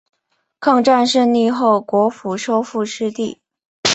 抗战胜利后国府收复失地。